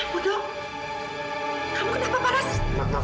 kamu kenapa panas